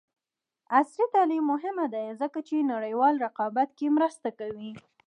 عصري تعلیم مهم دی ځکه چې نړیوال رقابت کې مرسته کوي.